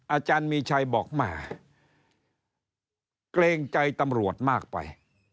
อาจารย์มีชัยบอกแหมเกรงใจตำรวจมากไป